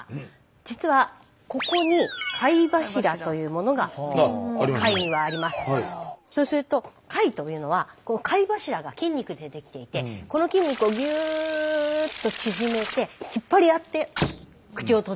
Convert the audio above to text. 実はここにそうすると貝というのはこの貝柱が筋肉でできていてこの筋肉をギューッと縮めて引っ張り合って口を閉ざしています。